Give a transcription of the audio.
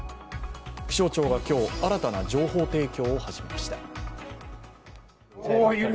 気象庁が今日、新たな情報提供を始めました。